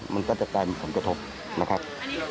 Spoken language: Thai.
มันก็จะกลายเป็นผลกระทบนะครับ